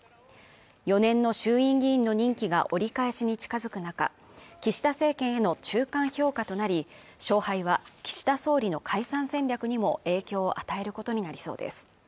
４年の衆院議員の任期が折り返しに近づく中岸田政権への中間評価となり勝敗は岸田総理の解散戦略にも影響を与えることになりそうです